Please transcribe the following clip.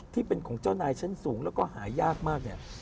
ที่เป็นของเจ้านายชั้นสูงแล้วก็หายากมากเนี่ย